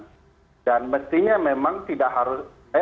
dan saya yakin ada problematika di kerumunan kemarin yang kemudian harus diperbaiki